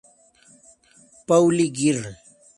Pauli Girl.